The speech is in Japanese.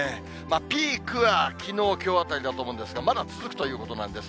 ピークはきのう、きょうあたりだと思うんですが、まだ続くということなんです。